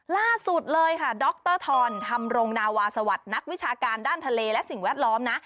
ล่าสุดเลยค่ะดรทรธรรมรงนาวาสวัสดิ์นักวิชาการด้านทะเลและสิ่งแวดล้อมนะ